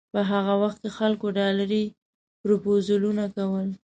په هماغه وخت کې خلکو ډالري پروپوزلونه کول.